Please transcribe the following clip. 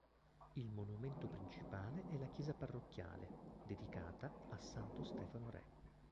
Il monumento principale è la chiesa parrocchiale, dedicata a Santo Stefano Re.